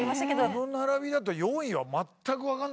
この並びだと４位はまったく分かんないね。